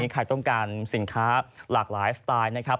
ใครต้องการสินค้าหลากหลายสไตล์นะครับ